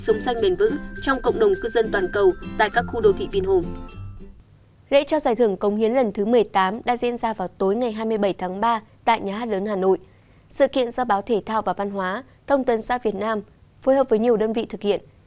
sự kiện do báo thể thao và văn hóa thông tân xã việt nam phối hợp với nhiều đơn vị thực hiện